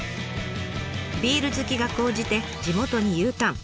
ビール好きが高じて地元にＵターン。